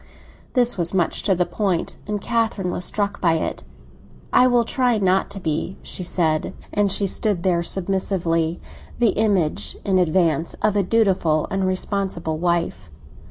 This was much to the point, and Catherine was struck by it. "I will try not to be," she said. And she stood there submissively, the image, in advance, of a dutiful and responsible wife.